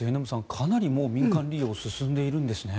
かなり民間利用が進んでいるんですね。